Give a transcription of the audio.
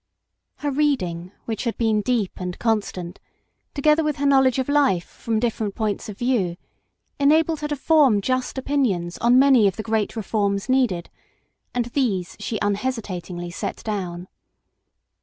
Her reading, which had been deep and constant, together with her knowledge of life from different points of view, enabled her to form just opinions on many of the great reforms needed, and these she unhesitatingly set down.